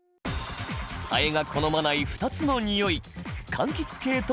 ハエが好まない２つのにおい。